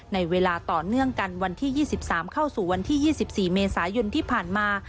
ในเวลาต่อเนื่องกันวันที่๒๓เข้าสู่วันที่๒๔เมษายนที่ผ่านมา